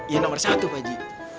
ya nomor satu pak aji